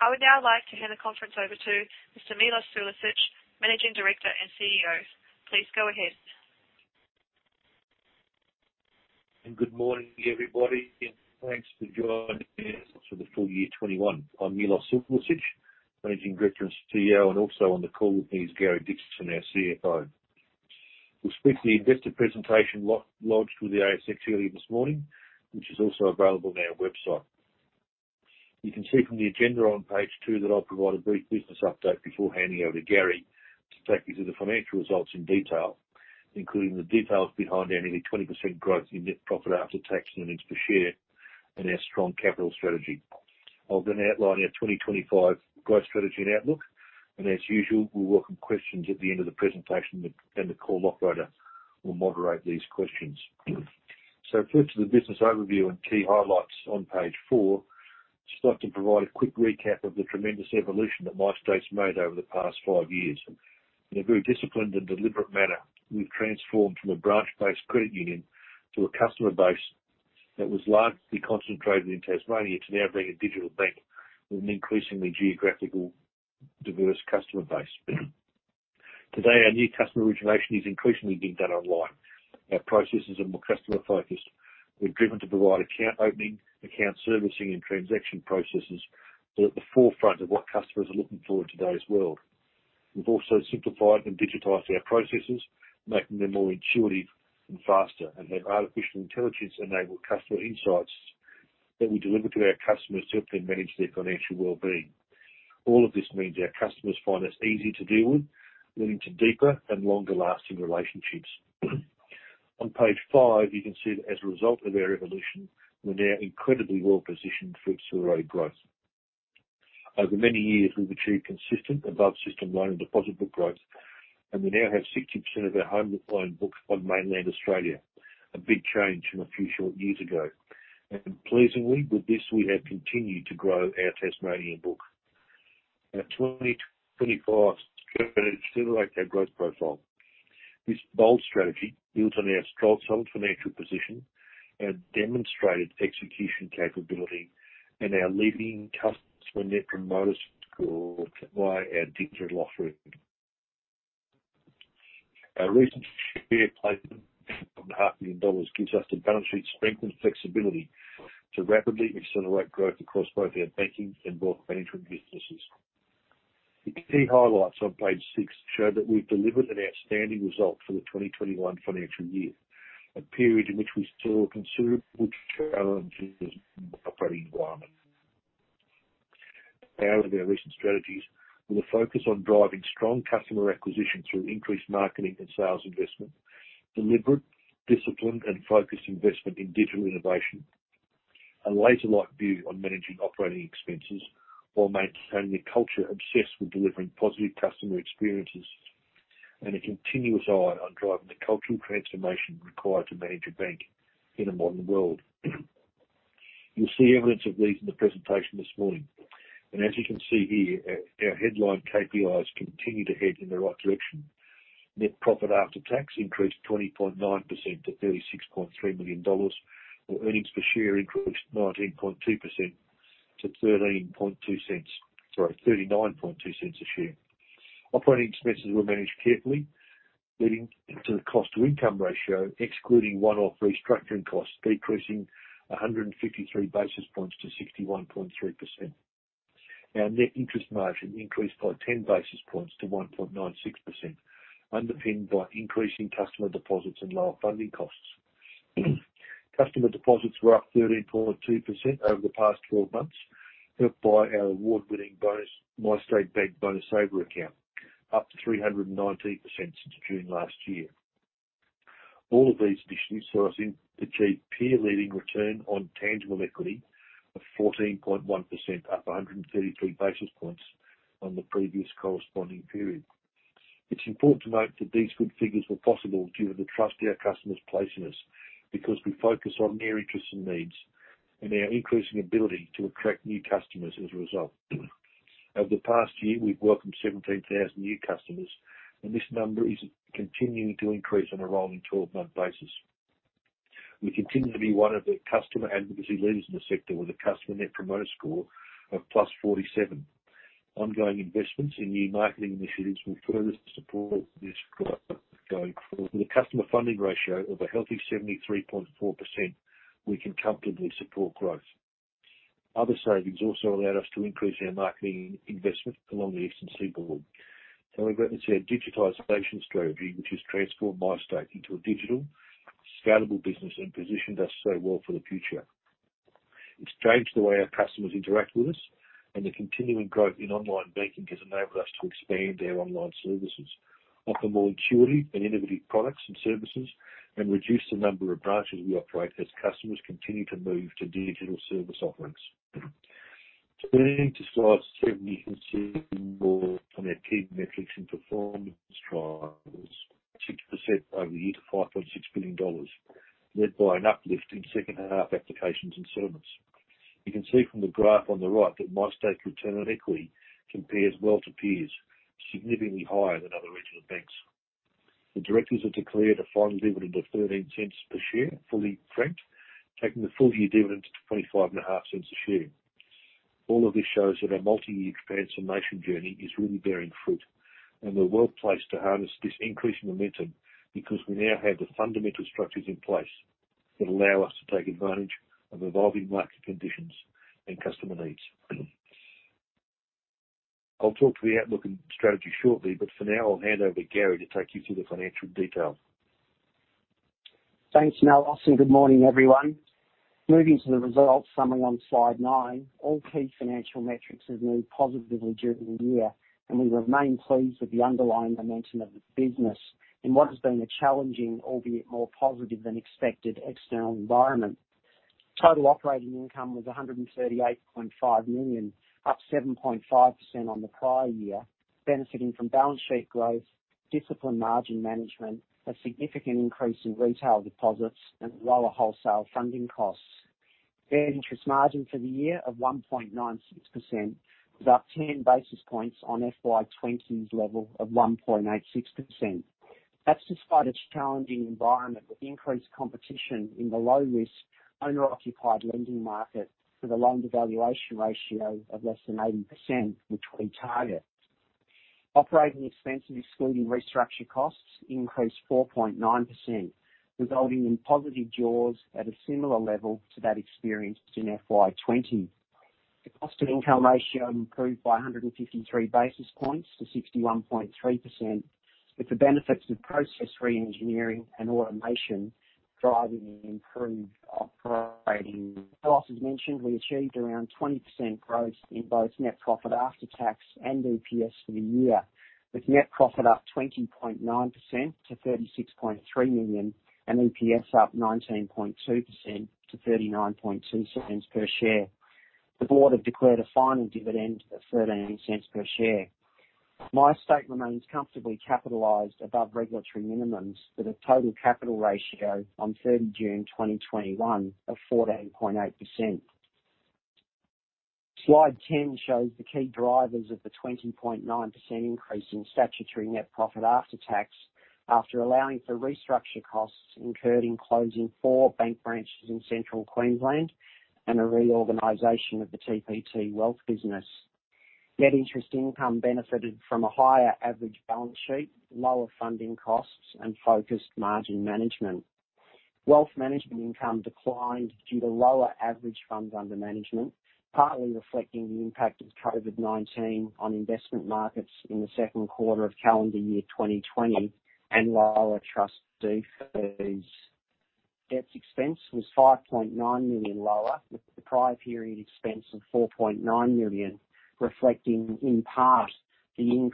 I would now like to hand the conference over to Mr. Melos Sulicich, Managing Director and CEO. Please go ahead. Good morning, everybody, and thanks for joining us for the full year 2021. I'm Melos Sulicich, Managing Director and CEO, and also on the call with me is Gary Dickson, our CFO. We'll speak to the investor presentation lodged with the ASX earlier this morning, which is also available on our website. You can see from the agenda on page two that I'll provide a brief business update before handing over to Gary to take you through the financial results in detail, including the details behind our nearly 20% growth in net profit after tax and earnings per share and our strong capital strategy. I'll then outline our 2025 growth strategy and outlook. As usual, we'll welcome questions at the end of the presentation, the call operator will moderate these questions. First, the business overview and key highlights on page four. Just like to provide a quick recap of the tremendous evolution that MyState's made over the past five years. In a very disciplined and deliberate manner, we've transformed from a branch-based credit union to a customer base that was largely concentrated in Tasmania to now being a digital bank with an increasingly geographical diverse customer base. Today, our new customer origination is increasingly being done online. Our processes are more customer-focused. We're driven to provide account opening, account servicing, and transaction processes that are at the forefront of what customers are looking for in today's world. We've also simplified and digitized our processes, making them more intuitive and faster, and have artificial intelligence-enabled customer insights that we deliver to our customers to help them manage their financial well-being. All of this means our customers find us easy to deal with, leading to deeper and longer-lasting relationships. On page five, you can see that as a result of our evolution, we're now incredibly well-positioned for accelerated growth. Over many years, we've achieved consistent above-system loan and deposit book growth, and we now have 60% of our home loan book on mainland Australia, a big change from a few short years ago. Pleasingly, with this, we have continued to grow our Tasmanian book. Our 2025 strategy to accelerate our growth profile. This bold strategy builds on our strong solid financial position and demonstrated execution capability and our leading customer Net Promoter Score by our digital offering. Our recent million gives us the balance sheet strength and flexibility to rapidly accelerate growth across both our banking and wealth management businesses. The key highlights on page six show that we've delivered an outstanding result for the 2021 financial year, a period in which we saw. With our recent strategies, with a focus on driving strong customer acquisition through increased marketing and sales investment, deliberate discipline, and focused investment in digital innovation, a laser-like view on managing operating expenses while maintaining a culture obsessed with delivering positive customer experiences, and a continuous eye on driving the cultural transformation required to manage a bank in a modern world. You'll see evidence of these in the presentation this morning. As you can see here, our headline KPIs continue to head in the right direction. Net profit after tax increased 20.9% to 36.3 million dollars, while earnings per share increased 19.2% to 0.132. Sorry, 0.392 a share. Operating expenses were managed carefully, leading to the cost-to-income ratio, excluding one-off restructuring costs, decreasing 153 basis points to 61.3%. Our net interest margin increased by 10 basis points to 1.96%, underpinned by increasing customer deposits and lower funding costs. Customer deposits were up 13.2% over the past 12 months, helped by our award-winning bonus, MyState Bank Bonus Saver account, up 319% since June last year. All of these achieve peer-leading return on tangible equity of 14.1%, up 133 basis points on the previous corresponding period. It's important to note that these good figures were possible due to the trust our customers place in us because we focus on their interests and needs and our increasing ability to attract new customers as a result. Over the past year, we've welcomed 17,000 new customers, and this number is continuing to increase on a rolling 12-month basis. We continue to be one of the customer advocacy leaders in the sector with a customer Net Promoter Score of +47. Ongoing investments in new marketing initiatives will further support this growth going forward. With a customer funding ratio of a healthy 73.4%, we can comfortably support growth. Other savings also allowed us to increase our marketing investment along the eastern seaboard. We reference our digitalization strategy, which has transformed MyState into a digital, scalable business and positioned us so well for the future. It's changed the way our customers interact with us, and the continuing growth in online banking has enabled us to expand our online services, offer more intuitive and innovative products and services, and reduce the number of branches we operate as customers continue to move to digital service offerings. Turning to slide seven, you can see more on our key metrics and performance drivers. 60% to 5.6 billion dollars, led by an uplift in second half applications and service. You can see from the graph on the right that MyState return on equity compares well to peers, significantly higher than other regional banks. The directors have declared a final dividend of 0.13 per share, fully franked, taking the full-year dividend to 0.255 a share. All of this shows that our multi-year transformation journey is really bearing fruit, and we're well-placed to harness this increasing momentum because we now have the fundamental structures in place that allow us to take advantage of evolving market conditions and customer needs. I'll talk to the outlook and strategy shortly, but for now, I'll hand over to Gary to take you through the financial detail. Thanks, Melos. Good morning, everyone. Moving to the results summary on slide nine, all key financial metrics have moved positively during the year, and we remain pleased with the underlying momentum of the business in what has been a challenging, albeit more positive than expected, external environment. Total operating income was 138.5 million, up 7.5% on the prior year, benefiting from balance sheet growth, disciplined margin management, a significant increase in retail deposits, and lower wholesale funding costs. Net interest margin for the year of 1.96% was up 10 basis points on FY 2020's level of 1.86%. That's despite a challenging environment with increased competition in the low-risk, owner-occupied lending market for the loan-to-valuation ratio of less than 80%, which we target. Operating expenses, excluding restructure costs, increased 4.9%, resulting in positive jaws at a similar level to that experienced in FY 2020. The cost-to-income ratio improved by 153 basis points to 61.3%, with the benefits of process reengineering and automation driving the improved operating loss. As mentioned, we achieved around 20% growth in both net profit after tax and EPS for the year, with net profit up 20.9% to 36.3 million and EPS up 19.2% to 0.392 per share. The board have declared a final dividend of 0.13 per share. MyState remains comfortably capitalized above regulatory minimums, with a total capital ratio on 3rd June 2021 of 14.8%. Slide 10 shows the key drivers of the 20.9% increase in statutory net profit after tax, after allowing for restructure costs incurred in closing four bank branches in Central Queensland and a reorganization of the TPT Wealth business. Net interest income benefited from a higher average balance sheet, lower funding costs, and focused margin management. Wealth management income declined due to lower average funds under management, partly reflecting the impact of COVID-19 on investment markets in the second quarter of calendar year 2020 and lower trust deed fees. Debt expense was 5.9 million lower, with the prior period expense of 4.9 million reflecting, in part, the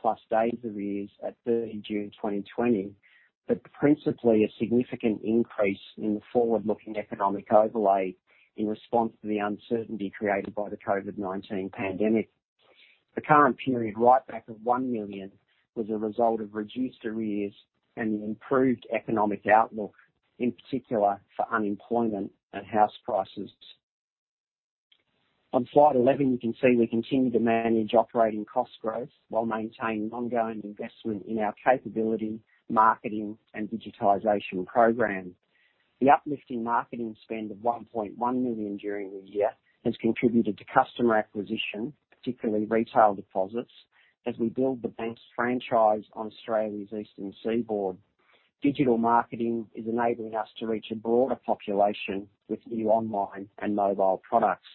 plus days arrears at 30 June 2020, but principally a significant increase in the forward-looking economic overlay in response to the uncertainty created by the COVID-19 pandemic. The current period write back of 1 million was a result of reduced arrears and the improved economic outlook, in particular for unemployment and house prices. On slide 11, you can see we continue to manage operating cost growth while maintaining ongoing investment in our capability, marketing, and digitization program. The uplift in marketing spend of 1.1 million during the year has contributed to customer acquisition, particularly retail deposits, as we build the bank's franchise on Australia's eastern seaboard. Digital marketing is enabling us to reach a broader population with new online and mobile products.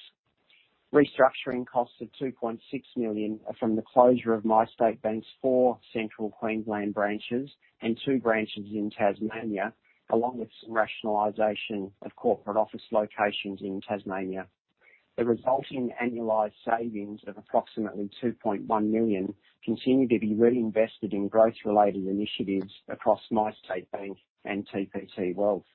Restructuring costs of 2.6 million are from the closure of MyState Bank's four Central Queensland branches and two branches in Tasmania, along with some rationalization of corporate office locations in Tasmania. The resulting annualized savings of approximately 2.1 million continue to be reinvested in growth-related initiatives across MyState Bank and TPT Wealth.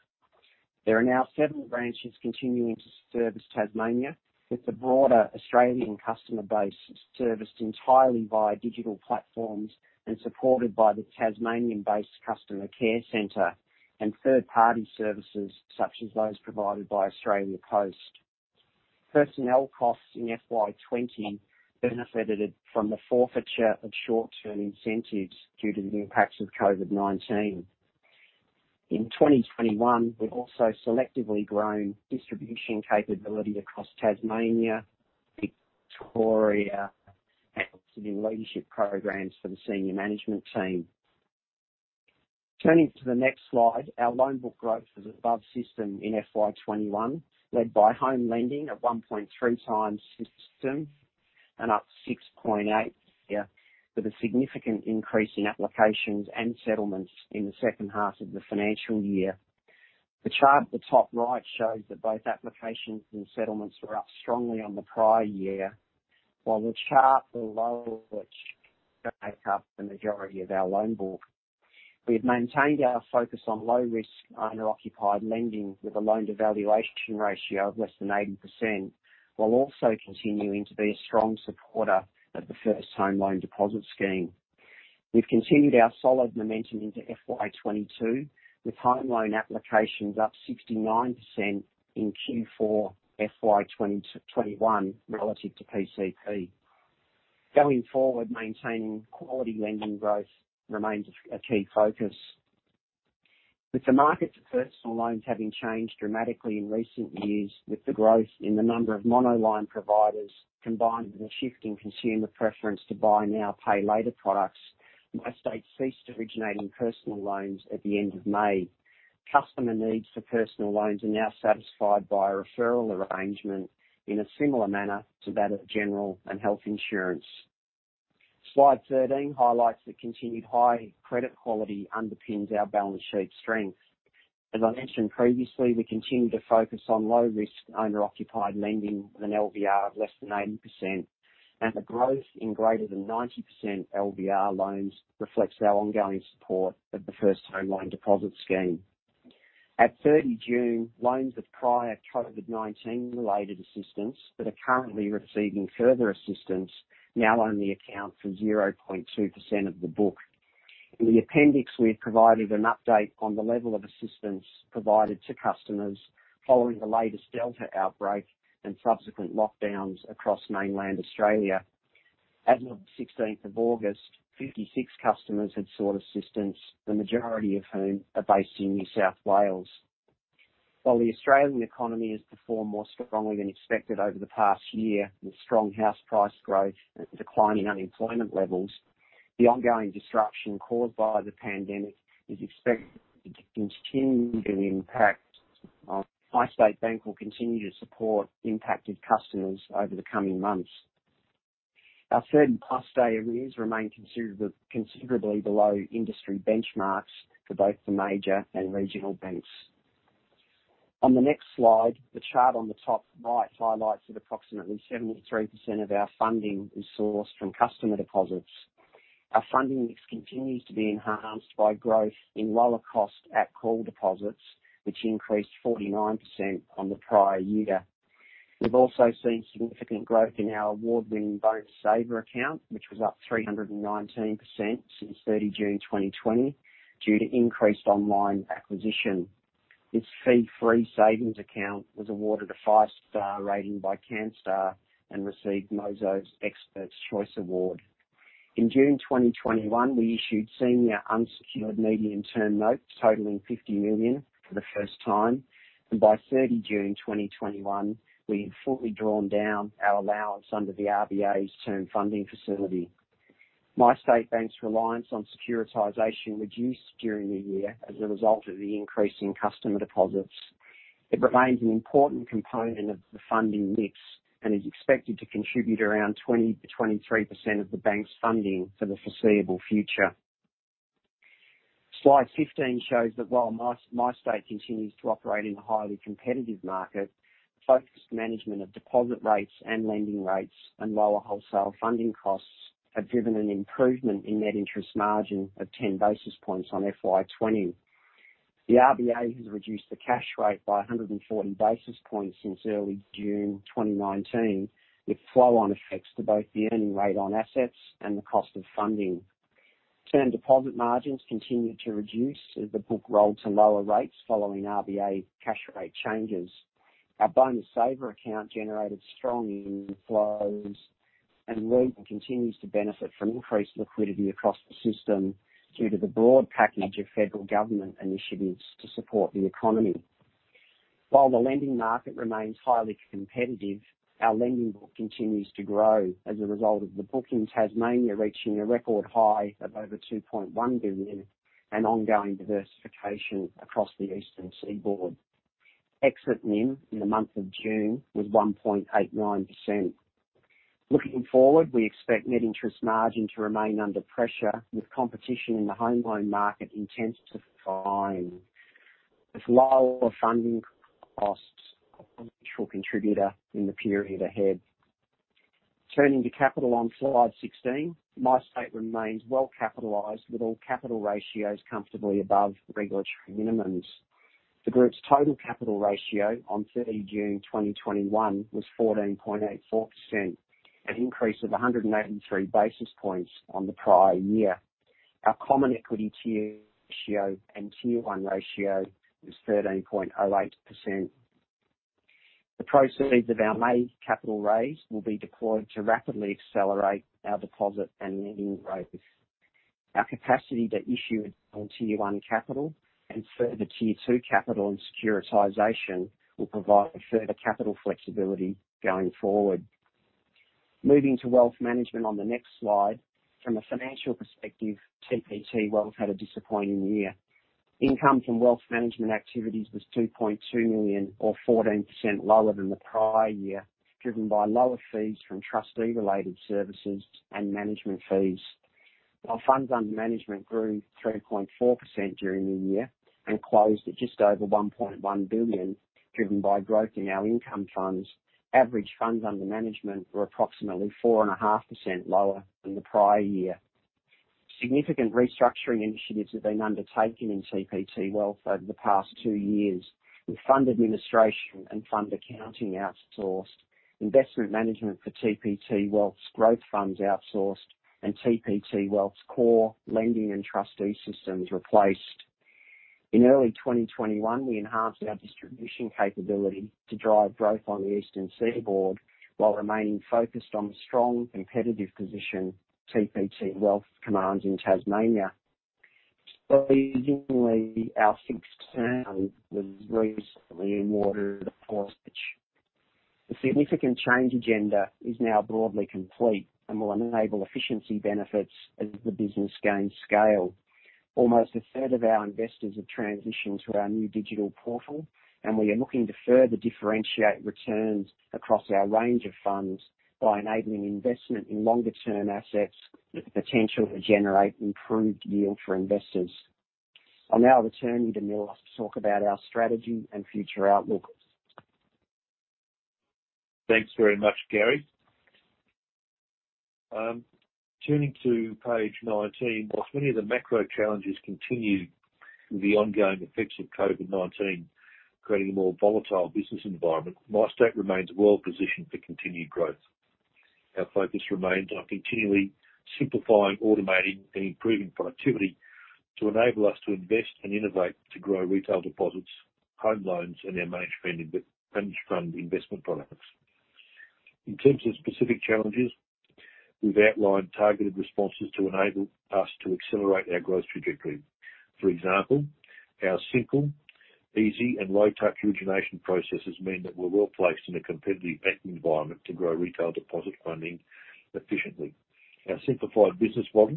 There are now seven branches continuing to service Tasmania, with the broader Australian customer base serviced entirely via digital platforms and supported by the Tasmanian-based customer care center and third-party services, such as those provided by [Australian Cost]. Personnel costs in FY 2020 benefited from the forfeiture of short-term incentives due to the impacts of COVID-19. In 2021, we've also selectively grown distribution capability across Tasmania, Victoria, and new leadership programs for the senior management team. Turning to the next slide, our loan book growth was above system in FY 2021, led by home lending of 1.3 times system and up 6.8% with a significant increase in applications and settlements in the second half of the financial year. The chart at the top right shows that both applications and settlements were up strongly on the prior year. While the chart below make up the majority of our loan book. We have maintained our focus on low-risk, owner-occupied lending with a loan-to-valuation ratio of less than 80%, while also continuing to be a strong supporter of the First Home Loan Deposit Scheme. We've continued our solid momentum into FY 2022, with home loan applications up 69% in Q4 FY 2021 relative to PCP. Going forward, maintaining quality lending growth remains a key focus. With the market for personal loans having changed dramatically in recent years, with the growth in the number of monoline providers, combined with a shift in consumer preference to buy now, pay later products, MyState ceased originating personal loans at the end of May. Customer needs for personal loans are now satisfied by a referral arrangement in a similar manner to that of general and health insurance. Slide 13 highlights the continued high credit quality underpins our balance sheet strength. As I mentioned previously, we continue to focus on low-risk owner-occupied lending with an LVR of less than 80%, and the growth in greater than 90% LVR loans reflects our ongoing support of the First Home Loan Deposit Scheme. At 30 June, loans with prior COVID-19 related assistance that are currently receiving further assistance now only account for 0.2% of the book. In the appendix, we have provided an update on the level of assistance provided to customers following the latest Delta outbreak and subsequent lockdowns across mainland Australia. As of the 16th of August, 56 customers had sought assistance, the majority of whom are based in New South Wales. While the Australian economy has performed more strongly than expected over the past year, with strong house price growth and declining unemployment levels, the ongoing disruption caused by the pandemic is expected to continue to impact. MyState Bank will continue to support impacted customers over the coming months. Our 30+ day arrears remain considerably below industry benchmarks for both the major and regional banks. On the next slide, the chart on the top right highlights that approximately 73% of our funding is sourced from customer deposits. Our funding mix continues to be enhanced by growth in lower cost at call deposits, which increased 49% on the prior year. We've also seen significant growth in our award-winning Bonus Saver account, which was up 319% since 30 June 2020, due to increased online acquisition. This fee-free savings account was awarded a five-star rating by Canstar and received Mozo's Experts Choice Award. In June 2021, we issued senior unsecured medium-term notes totaling 50 million for the first time, and by 30 June 2021, we had fully drawn down our allowance under the RBA's Term Funding Facility. MyState Bank's reliance on securitization reduced during the year as a result of the increase in customer deposits. It remains an important component of the funding mix and is expected to contribute around 20%-23% of the bank's funding for the foreseeable future. Slide 15 shows that while MyState continues to operate in a highly competitive market, focused management of deposit rates and lending rates and lower wholesale funding costs have driven an improvement in net interest margin of 10 basis points on FY 2020. The RBA has reduced the cash rate by 140 basis points since early June 2019, with flow-on effects to both the earning rate on assets and the cost of funding. Term deposit margins continued to reduce as the book rolled to lower rates following RBA cash rate changes. Our Bonus Saver account generated strong inflows, and we continue to benefit from increased liquidity across the system due to the broad package of federal government initiatives to support the economy. While the lending market remains highly competitive, our lending book continues to grow as a result of the book in Tasmania reaching a record high of over 2.1 billion and ongoing diversification across the eastern seaboard. Exit NIM in the month of June was 1.89%. Looking forward, we expect net interest margin to remain under pressure, with competition in the home loan market intense to fine, with lower funding costs a potential contributor in the period ahead. Turning to capital on slide 16, MyState remains well capitalized, with all capital ratios comfortably above regulatory minimums. The group's total capital ratio on 30 June 2021 was 14.84%, an increase of 183 basis points on the prior year. Our common equity Tier and Tier 1 ratio was 13.08%. The proceeds of our May capital raise will be deployed to rapidly accelerate our deposit and lending growth. Our capacity to issue on Tier 1 capital and further Tier 2 capital and securitization will provide further capital flexibility going forward. Moving to wealth management on the next slide. From a financial perspective, TPT Wealth had a disappointing year. Income from wealth management activities was 2.2 million or 14% lower than the prior year, driven by lower fees from trustee related services and management fees. Our funds under management grew 3.4% during the year and closed at just over 1.1 billion, driven by growth in our income funds. Average funds under management were approximately 4.5% lower than the prior year. Significant restructuring initiatives have been undertaken in TPT Wealth over the past two years, with fund administration and fund accounting outsourced, investment management for TPT Wealth's growth funds outsourced, and TPT Wealth's core lending and trustee systems replaced. In early 2021, we enhanced our distribution capability to drive growth on the eastern seaboard while remaining focused on the strong competitive position TPT Wealth commands in Tasmania. Recently, our sixth term was recently awarded, of course, which the significant change agenda is now broadly complete and will enable efficiency benefits as the business gains scale. Almost a third of our investors have transitioned to our new digital portal. We are looking to further differentiate returns across our range of funds by enabling investment in longer-term assets with the potential to generate improved yield for investors. I'll now return you to Melos to talk about our strategy and future outlook. Thanks very much, Gary. Turning to page 19, while many of the macro challenges continue with the ongoing effects of COVID-19 creating a more volatile business environment, MyState remains well positioned for continued growth. Our focus remains on continually simplifying, automating and improving productivity to enable us to invest and innovate, to grow retail deposits, home loans and our managed fund investment products. In terms of specific challenges, we've outlined targeted responses to enable us to accelerate our growth trajectory. For example, our simple, easy and low touch origination processes mean that we're well placed in a competitive banking environment to grow retail deposit funding efficiently. Our simplified business model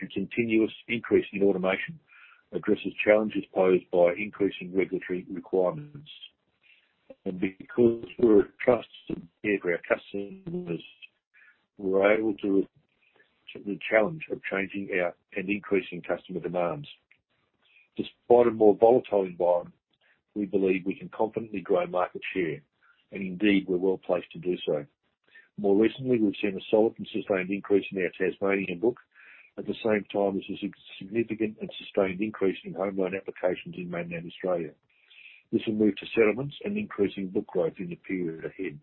and continuous increase in automation addresses challenges posed by increasing regulatory requirements. Because we're a trusted bank for our customers, we're able to accept the challenge of changing our and increasing customer demands. Despite a more volatile environment, we believe we can confidently grow market share and indeed we are well placed to do so. More recently, we've seen a solid and sustained increase in our Tasmanian book. At the same time, this is a significant and sustained increase in home loan applications in mainland Australia. This will move to settlements and increasing book growth in the period ahead.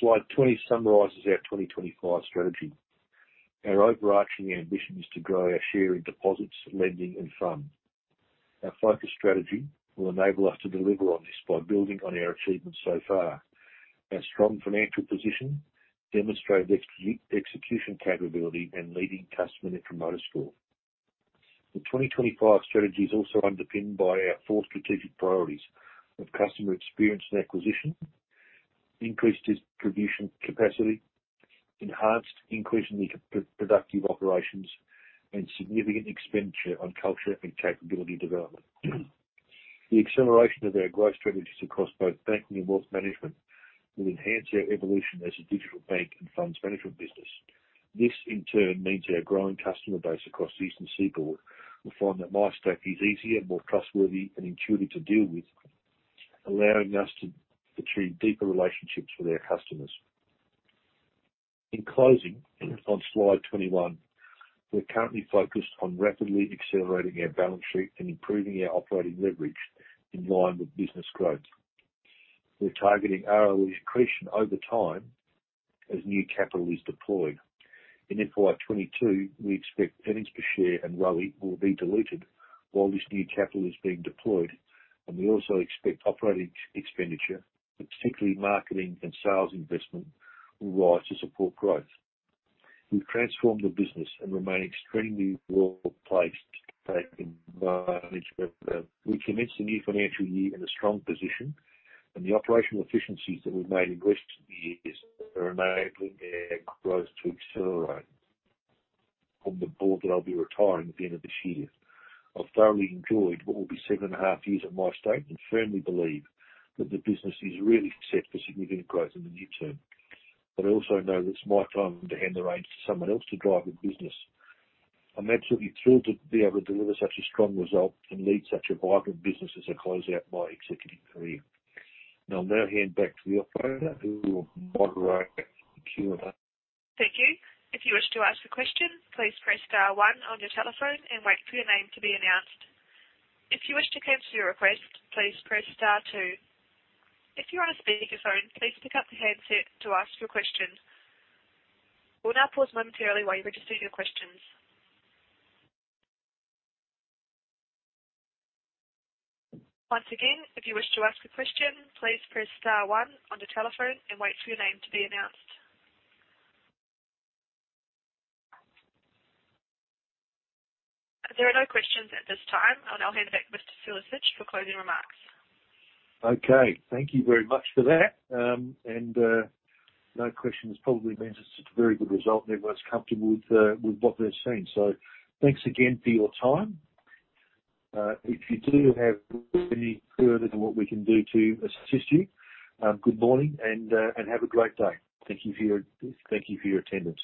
Slide 20 summarizes our 2025 strategy. Our overarching ambition is to grow our share in deposits, lending, and funds. Our focused strategy will enable us to deliver on this by building on our achievements so far. Our strong financial position demonstrate execution capability and leading customer Net Promoter Score. The 2025 strategy is also underpinned by our four strategic priorities of customer experience and acquisition, increased distribution capacity, enhanced increasingly productive operations, and significant expenditure on culture and capability development. The acceleration of our growth strategies across both banking and wealth management will enhance our evolution as a digital bank and funds management business. This in turn means our growing customer base across the eastern seaboard will find that MyState is easier, more trustworthy and intuitive to deal with, allowing us to achieve deeper relationships with our customers. In closing, on slide 21, we're currently focused on rapidly accelerating our balance sheet and improving our operating leverage in line with business growth. We are targeting ROE accretion over time as new capital is deployed. In FY 2022, we expect earnings per share and ROE will be diluted while this new capital is being deployed, and we also expect operating expenditure, particularly marketing and sales investment, will rise to support growth. We've transformed the business and remain extremely well placed to take advantage. We commenced the new financial year in a strong position, the operational efficiencies that we've made in recent years are enabling our growth to accelerate. On the board that I'll be retiring at the end of this year. I've thoroughly enjoyed what will be seven and a half years at MyState, firmly believe that the business is really set for significant growth in the near term. I also know that it's my time to hand the reins to someone else to drive the business. I'm absolutely thrilled to be able to deliver such a strong result and lead such a vibrant business as I close out my executive career. I'll now hand back to the operator who will moderate the Q&A. Thank you. If you wish to ask a question, please press star one on your telephone and wait for your name to be announced. If you wish to cancel your request, please press star two. If you're on a speakerphone, please pick up the handset to ask your question. We'll now pause momentarily while you register your questions. Once again, if you wish to ask a question, please press star one on the telephone and wait for your name to be announced. There are no questions at this time. I'll now hand it back to Mr. Sulicich for closing remarks. Okay. Thank you very much for that. No questions probably means it's a very good result and everyone's comfortable with what they're seeing. Thanks again for your time. If you do have any further to what we can do to assist you, good morning and have a great day. Thank you for your attendance.